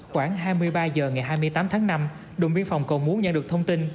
khoảng hai mươi ba h ngày hai mươi tám tháng năm đồn biên phòng cầu muốn nhận được thông tin